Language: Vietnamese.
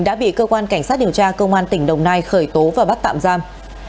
đã bị cơ quan cảnh sát điều tra công an tỉnh đồng nai khởi tố và bắt tạm giam